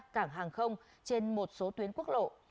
cảng hàng không trên một số tuyến quốc lộ